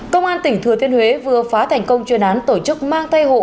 công an tỉnh thừa thiên huế vừa phá thành công chuyên án tổ chức mang tay hộ